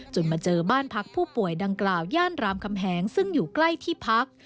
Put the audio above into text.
มาเจอบ้านพักผู้ป่วยดังกล่าวย่านรามคำแหงซึ่งอยู่ใกล้ที่พัก